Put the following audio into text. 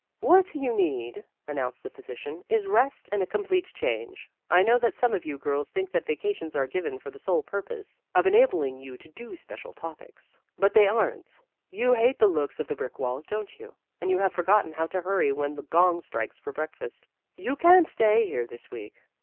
" What you need," announced the phy sician, " is rest and a complete change. I know that some of you girls think that vacations are given for the sole purpose of enabling you to do special topics. But A Case of Incompatibility 149 they are n't. You hate the looks of the brick walls, don't you ? and you have for gotten how to hurry when the gong strikes for breakfast. You can't stay here this week.